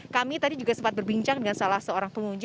kami tadi juga sempat berbincang dengan salah seorang pengunjung